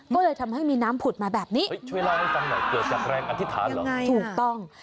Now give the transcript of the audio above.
ก็เลยทำให้มีน้ำผุดมาแบบนี้เฮ้ยช่วยเล่าให้ฟังหน่อยเกิดจากแรงอธิษฐานเหรอใช่ถูกต้อง